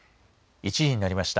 １時になりました。